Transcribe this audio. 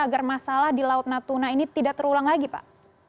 agar masalah di laut natuna ini tidak terulang lagi pak